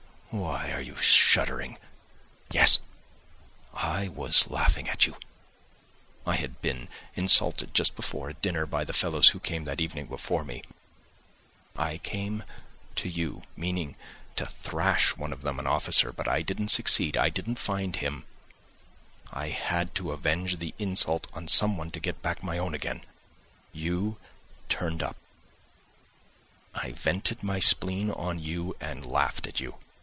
Why are you shuddering? Yes, I was laughing at you! I had been insulted just before, at dinner, by the fellows who came that evening before me. I came to you, meaning to thrash one of them, an officer; but I didn't succeed, I didn't find him; I had to avenge the insult on someone to get back my own again; you turned up, I vented my spleen on you and laughed at you.